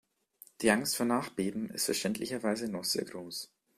Die Angst vor Nachbeben ist verständlicherweise noch sehr groß.